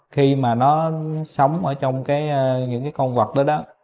khi mà nó sống ở trong những cái con vật đó đó